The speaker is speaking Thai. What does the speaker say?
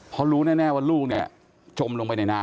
เพราะรู้แน่ว่าลูกเนี่ยจมลงไปในน้ำ